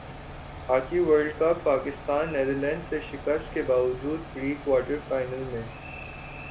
hockey world cup Pakistan Netherlands سے شکست کے باوجود پری کوارٹر فائنل میں